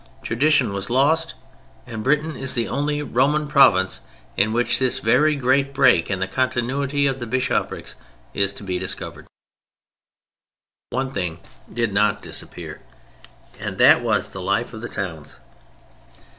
Tradition was lost; and Britain is the only Roman province in which this very great break in the continuity of the bishoprics is to be discovered. One thing did not disappear, and that was the life of the towns.